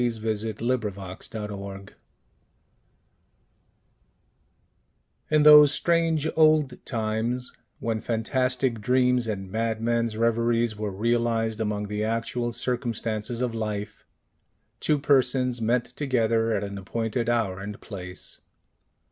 THE HOLLOW OF THE THREE HILLS In those strange old times, when fantastic dreams and madmen's reveries were realized among the actual circumstances of life, two persons met together at an appointed hour and place.